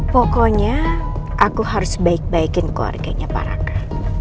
pokoknya aku harus baik baikin keluarganya pak raka